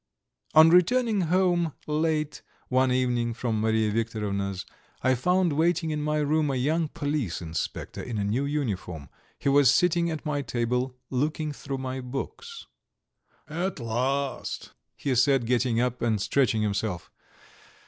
VIII On returning home late one evening from Mariya Viktorovna's I found waiting in my room a young police inspector in a new uniform; he was sitting at my table, looking through my books. "At last," he said, getting up and stretching himself.